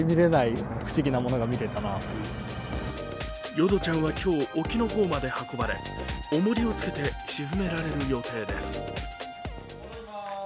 ヨドちゃんは今日、沖の方まで運ばれおもりをつけて沈められる予定です。